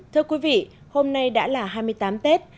thưa quý vị hôm nay đã là hai mươi tám tết